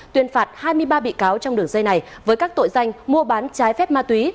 tuyên phạt hai mươi ba bị cáo trong đường dây này với các tội danh mua bán trái phép ma túy